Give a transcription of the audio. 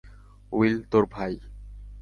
Will, তোর ভাই!